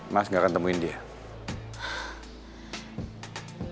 mas gak akan temuin dia